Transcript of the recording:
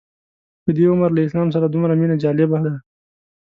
په دې عمر له اسلام سره دومره مینه جالبه ده.